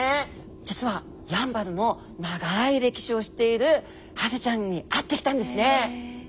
実はやんばるの長い歴史を知っているハゼちゃんに会ってきたんですね。